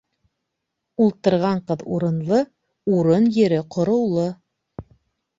Ултырған ҡыҙ урынлы, урын-ере ҡороулы.